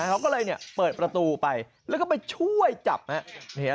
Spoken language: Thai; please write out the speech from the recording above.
เขาก็เลยเนี่ยเปิดประตูไปแล้วก็ไปช่วยจับนะฮะ